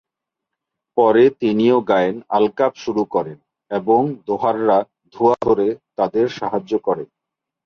পরে তিনি ও গায়েন আলকাপ শুরু করেন এবং দোহাররা ধুয়া ধরে তাদের সাহায্য করে।